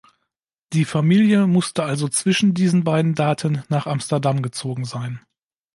Die Familie musste also zwischen diesen beiden Daten nach Amsterdam gezogen sein.